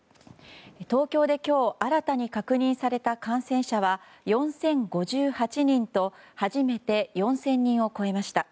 東京で今日、新たに確認された感染者は４０５８人と初めて４０００人を超えました。